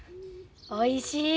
おいしい。